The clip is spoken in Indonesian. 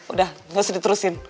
udah harus diterusin